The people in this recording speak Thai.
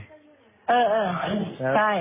เออใช่